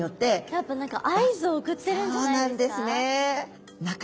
やっぱ何か合図を送ってるんじゃないですか？